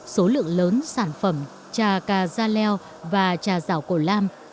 số lượng lớn sản phẩm trà cà da leo và trà rào cổ lam